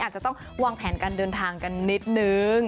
อาจจะต้องวางแผนการเดินทางกันนิดนึง